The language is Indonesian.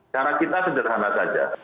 cara kita sederhana saja